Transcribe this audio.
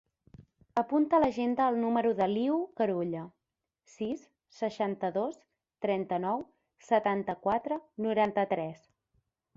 Apunta a l'agenda el número de l'Iu Carulla: sis, seixanta-dos, trenta-nou, setanta-quatre, noranta-tres.